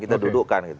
kita dudukkan gitu